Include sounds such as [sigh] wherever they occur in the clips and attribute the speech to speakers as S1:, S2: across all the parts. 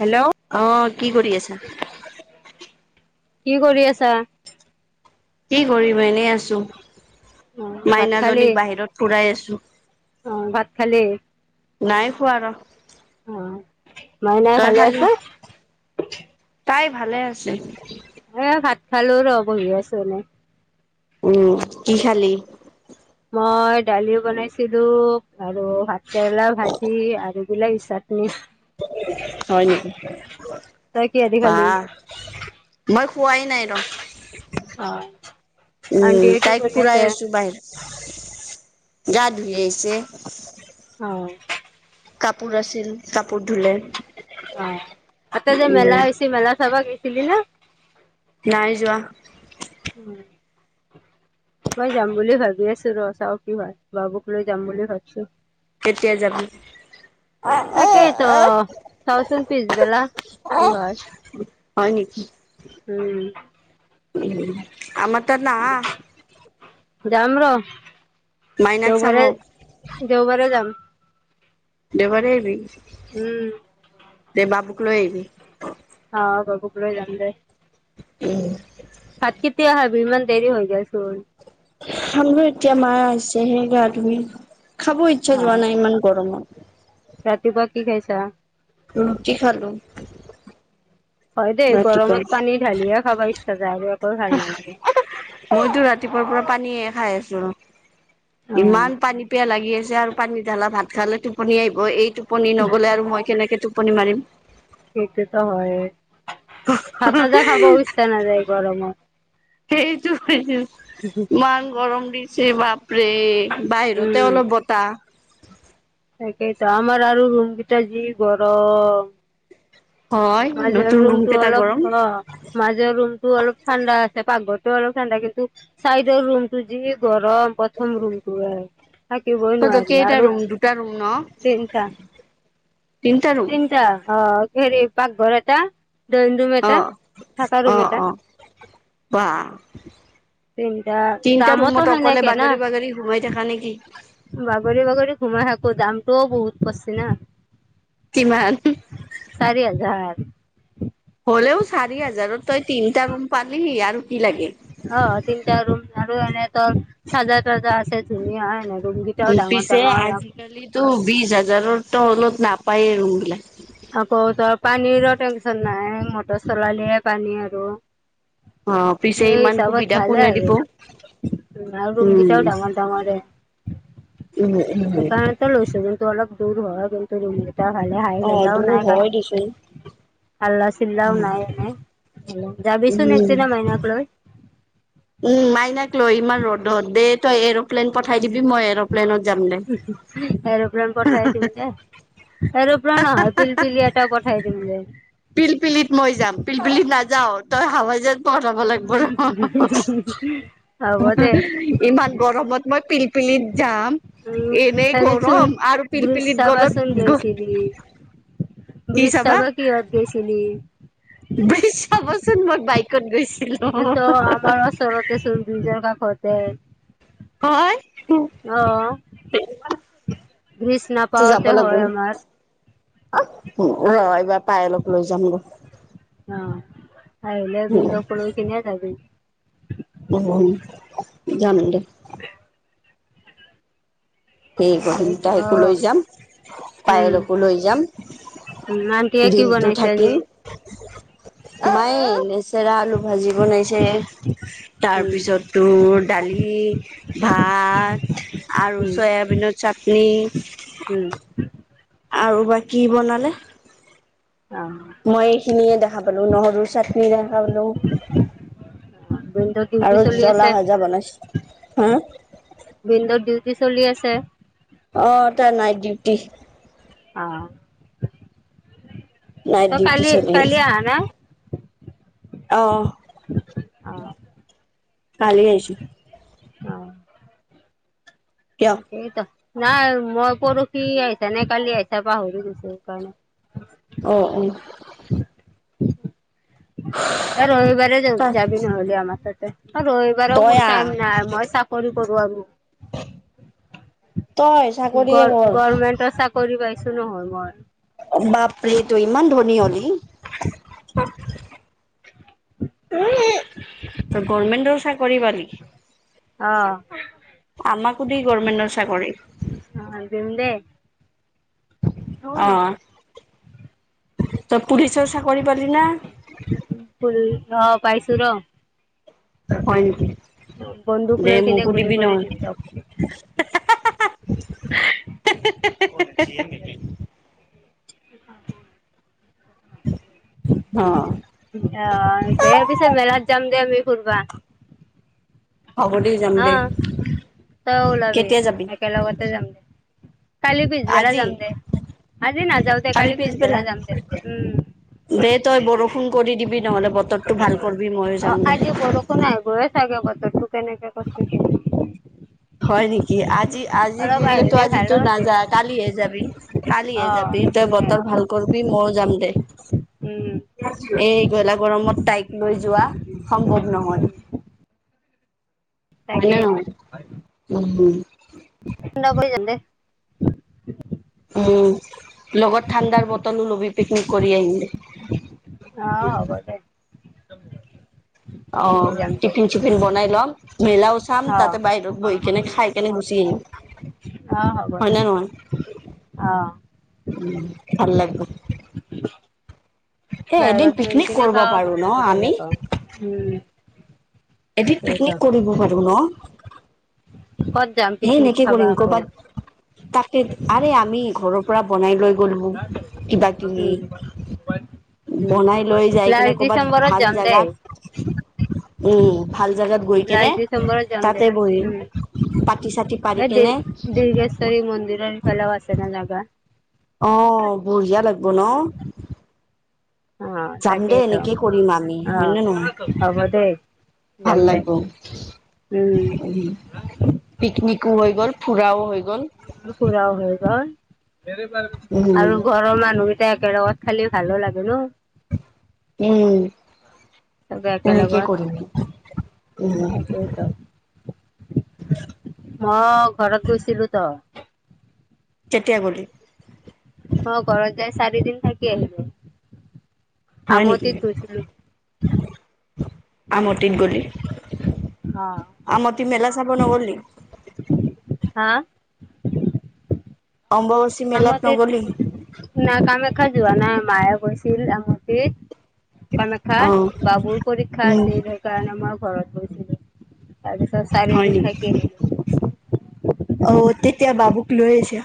S1: Hello
S2: অহ' কি কৰি আছা?
S1: কি কৰি আছা?
S2: কি কৰিম, এনেই আছো,
S1: অ', ভাত খালি?
S2: মাইনাজনীক বাহিৰত ফুৰাই আছোঁ।
S1: অ' ভাত খালে?
S2: নাই খোৱা ৰহ
S1: অ' মাইনাই ভালে
S2: খালি
S1: আছে?
S2: তাই ভালে আছে।
S1: এই ভাত খালোঁ ৰহ বহি আছোঁ এনে
S2: উম, কি খালি?
S1: মই দালিও বনাইছিলোঁ আৰু ভাত কেৰেলা ভাজি আৰু বিলাহী চাটনি
S2: হয় নেকি,
S1: তই কিহেদি খালি?
S2: বাহ মই পোৱাই নাই ৰহ
S1: অ',
S2: উম,
S1: আন্টিয়ে কি
S2: তাইক
S1: কৰি আছে?
S2: ফুৰাই আছোঁ বাহিৰত গা ধুই আহিছে।
S1: অহ'।
S2: কাপোৰ আছিল কাপোৰ ধুলে।
S1: অ' তাতে যে
S2: উম
S1: মেলা হৈছিল মেলা চাবা গৈছিলি নে?
S2: নাই যোৱা।
S1: উম। মই যাম বুলি ভাবি আছোঁ ৰ চাও কি হয় বাবুক লৈ যাম বুলি ভাবিছোঁ।
S2: কেতিয়া যাবি?
S1: তাকেইতো চাওচোন পিছবেলা। কি হয়।
S2: হয় নেকি।
S1: উম।
S2: উম আমাৰ তাত নাহা?
S1: যাম ৰ
S2: মাইনাক চাব
S1: দেওবাৰে দেওবাৰে যাম।
S2: দেওবাৰে আহিবি?
S1: উম।
S2: দে বাবুক লৈ আহিবি।
S1: অ' বাবুক লৈ যাম দে।
S2: উম।
S1: ভাত কেতিয়া খাবি? ইমান দেৰি হৈ গেল চোন।
S2: খাম ৰহ এতিয়া মা আহিছে হে গা ধুই খাব ইচ্ছা
S1: অ
S2: যোৱা নাই ইমান গৰমত।
S1: ৰাতিপুৱা কি খাইছা?
S2: ৰুটি খালো।
S1: হয় দেই, গৰমত
S2: ৰাতিপুৱা।
S1: পানী ঢালিয়ে খাবা ইচ্ছা যায় আৰ'।
S2: মইতো ৰাতিপুৱাৰ পৰা পানীয়ে খাই আছোঁ
S1: অ
S2: ৰ'। ইমান পানী পিয়াহ লাগি আছে। আৰু পানী ঢালা ভাত খালে টোপনি আহিব এইটো টোপনি নগ'লে আৰু মই কেনেকৈ টোপনি মাৰিম।
S1: সেইটোতো হয়ে। ভাত আঞ্জা খাবও ইচ্ছা নাযায় এই গৰমত।
S2: সেইটো ইমান গৰম দিছে বাপ ৰে বাহিৰতে
S1: উম
S2: অলপ বতাহ।
S1: তাকেইতো আমাৰ আৰু ৰুমকেইটা যি গৰম
S2: হয়
S1: মাজৰ
S2: নতুন ৰুম
S1: ৰুমটো
S2: কেইটা গৰম
S1: অলপ অ', মাজৰ ৰুমটো অলপ ঠাণ্ডা আছে পাকঘ টো অলপ ঠাণ্ডা কিন্তু চাইডৰ ৰুম টো যি গৰম প্ৰথম ৰুম থাকিবই
S2: তহঁতৰ
S1: নোৱাৰি
S2: কেইটা
S1: আৰু
S2: ৰুম দুটা ৰুম ন
S1: চনিটা
S2: তিনটা ৰুম
S1: তিনিটা অ' খৰি পাকঘৰ এটা দৈন ৰুম
S2: অ
S1: এটা, থাকা
S2: অ
S1: ৰুম এটা।
S2: অ বাহ
S1: তিনিটা
S2: তিনটা
S1: দামোতো
S2: ৰুমত অকলে
S1: সেনেকে ন
S2: বাগৰি বাগৰি সোমাই থাকা নেকি
S1: বাগৰি বাগৰি ঘোমাই থাকোঁ দামটোও বহুত পচ্ছি না।
S2: কিমান
S1: চাৰি হাজাৰ
S2: হ'লেও চাৰি হাজাৰত তই তিনটা ৰুম পালিহি আৰু কি লাগে
S1: অ, তিনটা ৰুম আৰু এনে তৰ চাজা তাজা আছে। ধুনীয়া এনেক
S2: পিছে আজিকালিো বিশ হাজাৰ তো অলত নাপায়েই ৰুম বিলাক
S1: আকৌ তই পানীৰো টেনচন নাই মটৰ চলালিয়ে পানী আৰু।
S2: অ', পিছে ইমান সুবিধা কোনে দিব?
S1: উম, আৰু ৰুম
S2: উম
S1: গেইটাও ডাঙৰ ডাঙৰে
S2: উম উম
S1: সেইকাৰণেতো লৈছদোন টো অলপ দূৰ হয় কিন্তু ৰুমকেইটা ভালে হাই ভ
S2: উ, হয় দিচোন।
S1: হাল্লা চিল্লাও নাই এনে, যাবিচোন
S2: উম
S1: একদিনা মইনাক লৈ।
S2: [unintelligible] এৰোপ্লেন পঠাই দিবি মই এৰপ্লেনত যাম। দে
S1: এৰোপ্লেন পঠাই দিম দে। এৰোপ্লেন নহয়, পিলপিলিয়া এটা পঠাই দিম দে।
S2: পিলপিলিত মই যাম, পিলপিলিত নাযাও, তই হাৱা যেন [unintelligible] লাগব ৰ,
S1: হ'ব দে
S2: ইমান গৰমত মই পিলপি [unintelligible] যাম।
S1: উম
S2: এনেই
S1: হেৰিচোন
S2: গৰম আৰু
S1: ব্ৰিজ
S2: পিলপিলিত
S1: চাবাচোন
S2: গলত গ
S1: গৈছিলি ব্ৰিজ চাব কিহত গৈছিলি?
S2: ব্ৰিজ চাবচোন মই বাইকত গৈছ
S1: [unintelligible] ত আমাৰ ওচৰতে চোন ব্ৰিজৰ কাষতে
S2: হয়।
S1: অ ব্ৰিজ
S2: যাব
S1: নাপাৱতে
S2: লাগিব
S1: হয় আমাৰ।
S2: [unintelligible] ৰ' এইবাৰ পাই অলপ লৈ যাম ৰ',
S1: অ আহিলে
S2: উম।
S1: বিন্দুক লৈ কিনে যাবি
S2: উম, যাম দে।
S1: [inaudible]
S2: সেই [unintelligible]
S1: এইটো
S2: সেকো
S1: অ
S2: লৈ যাম,
S1: উম
S2: পায়লকো লৈ যাম।
S1: উম আন্টিয়ে কি
S2: দিনটো
S1: বনাইছে আজি
S2: থাকিম। মাই লেচেৰা আলু ভাজি বনাইছে।
S1: উম
S2: তাৰপিছত তোৰ দালি, ভাত আৰু
S1: উম
S2: চয়াবিনৰ চাটনি
S1: উম
S2: আৰু বা কি বনালে। মই এইখিনিয়ে দেখা পালো, নহৰুৰ চাটনি দেখা পালো।
S1: ভিনদেউৰ ডিউটি
S2: আৰু
S1: চলি
S2: জ্বলা
S1: আছে,
S2: ভাজা বনাইছে। হা
S1: ভিনদেউৰ ডিউট কি চলি আছে।
S2: অ, তাৰ নাইট ডিউটি।
S1: আহ।
S2: নাইট
S1: ত।
S2: ডিউটি
S1: কাল
S2: চলি
S1: কালি
S2: আছে।
S1: আনাই।
S2: অ
S1: অ।
S2: কালি আহিছো।
S1: অ।
S2: দিয়ক
S1: সেইতো নাই মই পৰহি আহিছা, নে কালি আহিছা পাহৰি গৈছো। সেইকাৰণে
S2: অ অ
S1: এই ৰবিবাৰে
S2: ত
S1: যাবি নহ'লে আমাৰ তাত আৰু ৰ এইবাৰও
S2: তই
S1: মোৰ
S2: আহ
S1: টাইম নাই। মই চাকৰি কৰো আৰু।
S2: তই চাকৰিয়ে
S1: গ
S2: কৰ
S1: গভমেন্টৰ চাকৰি পাইছো নহয় মই।
S2: বাপৰে তই ইমান ধনী হলি? ত গভৰ্মেন্ত চাকৰি পালি?
S1: অ
S2: আমাক সুধেই গভমেণ্টৰ চাকৰি।
S1: অ, দিম দে।
S2: অ
S1: [unintelligible]
S2: তই, পুলিচৰ চাকৰি পালি নে?
S1: ফুল অ, পাইছো ন।
S2: হয়, নেকি। দে
S1: লৈ কিনে
S2: মোকো
S1: গুলি
S2: দিবি
S1: কৰি
S2: নহ'লে।
S1: দিম
S2: হা-
S1: তক
S2: হা -হা অ।
S1: দেমি ফুৰবা।
S2: হ'ব দে যাম
S1: হা,
S2: দে।
S1: তই ওলাবি।
S2: কেতিয়া যাবি?
S1: একেলগতে যাম দে। কালি পিছবেলা
S2: আজি?
S1: যাম দে। আজি নাযাওঁ দে, কালি পিছবেলা যাম দে। উম।
S2: দে তই বৰষুণ কৰি দিবি নহ'লে বতৰটো ভাল। কৰিবি ময়ো
S1: অ,
S2: যাম দে।
S1: আজি বৰষুণাই আহিবই চাগে। বতৰ তোক কেনেকে কওঁচোন।
S2: হয় নেকি? আজি -আজি দিলেতো আজ
S1: ভাল
S2: টো
S1: আছিল
S2: নাযায় কালিহে যাবি-
S1: অ
S2: কালিহে যাবি তই
S1: সেইটোয়ে
S2: বতৰ ভাল। কৰিবি ময়ো যাম দে।
S1: উম।
S2: এই গেলা গৰমত তাইক লৈ যোৱা সম্ভৱ নহয়।
S1: উম
S2: হয়
S1: তাকে
S2: নে নহয়।
S1: ঠাণ্ডা পৰি যায় দে।
S2: উম, লগত ঠাণ্ডাৰ বটল লবি পিকনিক কৰি আহিম দে।
S1: অ, হ'ব দে।
S2: অ,
S1: যাম দে
S2: টিফিন- চিফিন বনাই ল'ম। মেলাও চাম
S1: অ
S2: তাতে বাহিৰত বহি কিনে খাই কেনে গুচি আহিম।
S1: অ, হ'ব
S2: হয়
S1: দে
S2: নে নহয়?
S1: অহ।
S2: ভাল লাগব। এ এদিন
S1: বাহিৰত গৈ
S2: পিকনিক
S1: কিনে
S2: কৰিব
S1: খাওঁ
S2: পাৰো ন
S1: মজাটো
S2: আমি
S1: ভালে কাও
S2: এদিন পিকনিক কৰিব পাৰো ন।
S1: ক'ত যাম
S2: সেই
S1: পিকনিক
S2: নেকে
S1: খাবা
S2: কৰিম।
S1: আকৌ
S2: ক'ৰবাত তাক আৰে আমি ঘৰৰ পৰা বনাই লৈ গ'লো। কিবা কিবি
S1: উম উম
S2: বনাই লৈ যাই কিনে
S1: লাষ্ট
S2: কৰ' বাত
S1: ডিচেম্বৰত
S2: ভাল
S1: যাম দেই
S2: জোগাত। উম, ভাল জেগাত গৈ কেনে
S1: লাষ্ট ডিচেম্বৰত যাম দে
S2: তাতে বহিম।
S1: উম
S2: চাতি পাৰি
S1: এই
S2: কেনে
S1: দীৰ্ঘেশ্বৰী মন্দিৰৰ ফালে আছে ন জাবা।
S2: অ, বঢ়িয়া লাগিব ন।
S1: অ
S2: যাম দে।
S1: তাকেইতো
S2: এনেকেই কৰিম আমি,
S1: অ
S2: হয় নে নহয়?
S1: হ'ব দেই
S2: ভাল
S1: যাম দে
S2: লাগিব।
S1: উম
S2: পিকনিকো হৈ গ'ল, ফুৰাও হৈ গ'ল।
S1: ফুৰাও হৈ গল,
S2: উম
S1: আৰু ঘৰৰ মানুহকেইটা একেলগত খালি ভালো লাগে ন।
S2: উম।
S1: চবে
S2: তেনেকে
S1: একেলগত
S2: কৰিম উম
S1: মই ঘৰত গৈছিলো ত'।
S2: কেতিয়া গলি?
S1: অ ঘৰত গৈ চাৰি দিন থাকি আহিলো।
S2: হয় নেকি
S1: আমতিত গৈছিলো।
S2: আমটিত গলি।
S1: অ
S2: আমটি মেলা চাব নগলি?
S1: হা?
S2: অম্ববাচী মেলাত
S1: আমতিত,
S2: নগলি
S1: না কামাখ্যা যোৱা নাই, মায়ে গৈছিল আমতিত।
S2: অ
S1: কামাখ্যাত, বাবুৰ পৰীক্ষা
S2: উম
S1: আছিল সেইকাৰণে মই ঘৰত গৈছিলো। তাৰপিছত
S2: হয়
S1: চাৰিদিন
S2: নি,
S1: থাকি আহিলো
S2: অ', তেতিয়া বাবু লৈ আহিছা।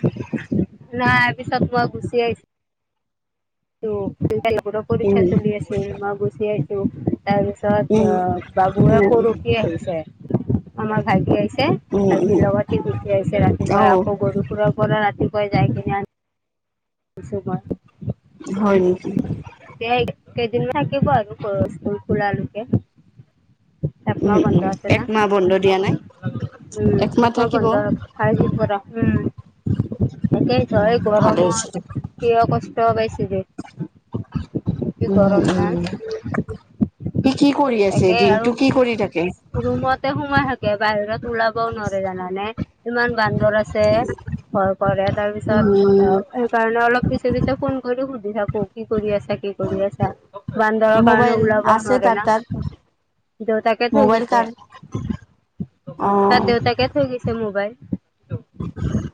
S1: নাই পিছত মই গুচি আহি চো ৰ পৰীক্ষা
S2: উম
S1: চলি আছিল, মই গুচি আহিছো। তাৰপিছত
S2: উম
S1: অ', বাবুয়ে
S2: উম
S1: পৰসি আহিছে। আমাৰ ভাইটি আহিছে,
S2: উম
S1: ভাইটিৰ
S2: উম
S1: লগতে গুচি আহিছে।
S2: অ
S1: ৰাতিপুৱা আকৌ গৰু সুুৰৰ পৰা ৰাতি যাই কিনে
S2: হয় নেকি?
S1: কেইদিন মান থাকিব আৰু, অ', স্কুল খুলা লৈকে।
S2: উম, উম, একমাহ বন্ধ দিয়া নাই?
S1: উম, একমাহ বন্ধ হল, [unintelligible] পৰা, উম। একে হয়
S2: ভালে
S1: গৰমত,
S2: হৈছে দে
S1: কিয় কষ্ট পাইছে [unintelligible] কি
S2: উম
S1: গৰম না?
S2: উম সি কি কৰি আছে
S1: তাকে আৰু,
S2: দিনটো কি কৰি থাকে
S1: ৰুমতে সোমাই বাহিৰত ওলাবও নোৱাৰে জানানে, ইমান বান্দৰ আছে, ঘৰ কৰে তাৰপিছত,
S2: উম
S1: অ', সেইকাৰণে অলপ পিছে পিছে ফোন কৰি সুধি থাকো, কি কৰি আছা, কি কৰি আছা। বান্দৰৰ কাৰণেও
S2: মোবাইল
S1: উলাবও
S2: আছে
S1: নোৱাৰো
S2: তাৰ
S1: না।
S2: তাত
S1: দেউতাকে থৈ
S2: মোবাইল
S1: দিছে।
S2: কাৰ অ
S1: তাৰ দেউতাকে থই গৈছে মোবাইল।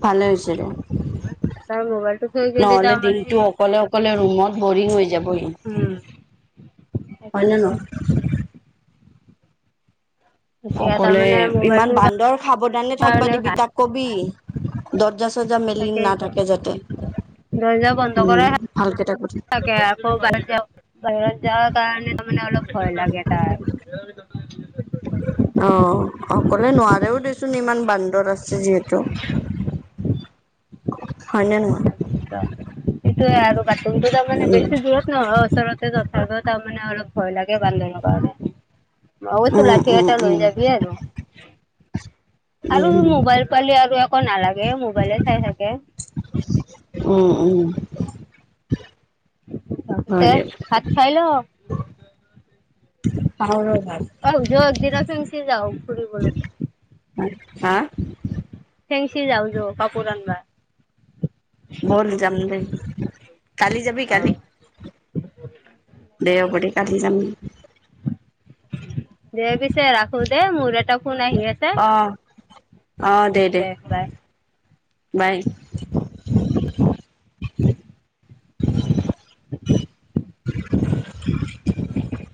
S2: ভালে হৈছে দে।
S1: তাৰ মোবাইলটো থৈ গেলি
S2: নহ'লে
S1: তাৰমানে সি
S2: দিনটো অকলে অকলে ৰুমত বৰিং হৈ যাবই।
S1: উম
S2: হয় না
S1: তাকেইতো
S2: নহয়?
S1: এতিয়া
S2: অকলে
S1: তাৰমানে
S2: ইমান
S1: মোবাইলটোৰ
S2: বান্দৰ খাব [unintelligible] থাকিবা
S1: কাৰণে
S2: দিবি
S1: ভাল
S2: তাক কবি, দৰ্জা চৰ্জা মেলি
S1: তাকেইতো
S2: নাথাকে যাতে। উম, ভালকে [unintelligible]
S1: থাকে, আকৌ [unintelligible] বাহিৰত যাব কাৰণে তাৰ মানে অলপ ভয় লাগে তাই। [unintelligible]
S2: অ', অকলে নোৱাৰেও দেচোন ইমান বান্দৰ আছে যিহেতু।
S1: [unintelligible] সেইটোয়ে
S2: হয় নে নহয়?
S1: আৰু বাক ৰূমটো তাৰ মানে বেছি
S2: উম
S1: দূৰত নহয়, ওচৰতে তথাপিও তাৰ মানে অলপ ভয় লাগে বান্দৰৰ পৰা আৰু, মই কৈছোঁ লাঠি
S2: উম
S1: এটা লৈ
S2: উম
S1: যাবি আৰু। আৰু
S2: উম
S1: মোবাইল পালি আৰু একো নালাগে, মোবাইলে চাই থাকে।
S2: উম, উম। হয়
S1: পিছে
S2: দে।
S1: ভাত খাই ল
S2: খাওঁ ৰ ভাত
S1: [unintelligible] যাওঁ ফুৰিবলে।
S2: হা?
S1: [unintelligible] কাপোৰ আনবা।
S2: হল যাম দে, কালি যাবি কালি,
S1: অ
S2: দে আগতে কাটি যাম।
S1: দে পিছে ৰাখো দে মোৰ এটা ফোন আহি আছে।
S2: অ অ
S1: উ,
S2: দে দে
S1: দেখাই
S2: বাই
S1: [inaudible]